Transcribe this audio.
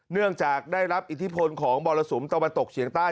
เนื่องจากได้รับอิทธิพลของมรสุมตะวันตกเฉียงใต้